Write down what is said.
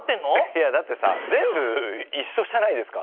いやだってさ全部一緒じゃないですか。